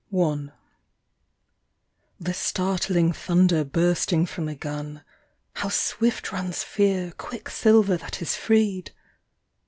ZEPPELINS. [. Till", startling thunder bursting from a gun : I low swift runs Fear, quicksilver that is freed